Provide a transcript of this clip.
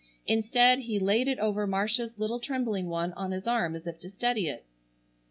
Instead he laid it over Marcia's little trembling one on his arm as if to steady it.